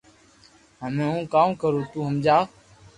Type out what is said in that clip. ھمي ھون ڪاو ڪرو تو ھمجاو